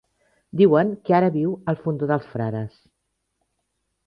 Diuen que ara viu al Fondó dels Frares.